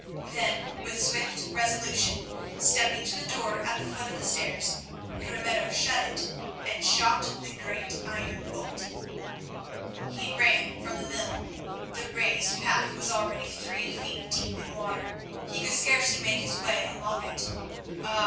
Then, with swift resolution, stepping to the door at the foot of the stairs, Ramiro shut it and shot the great iron bolt! He ran from the mill; the raised path was already three feet deep in water; he could scarcely make his way along it. Ah!